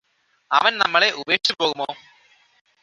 അവന് നമ്മളെ ഉപേക്ഷിച്ചുപോകുമോ